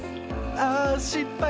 あしっぱい。